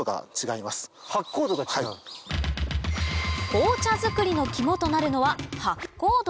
紅茶作りの肝となるのは発酵度？